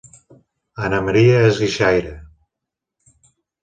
Anna Maria és guixaire